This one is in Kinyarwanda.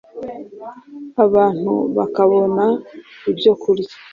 abantu bakabona ibyo kurya.